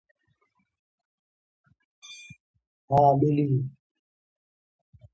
दादरीः जागरण में गए युवक की हत्या, जंगल में मिली लाश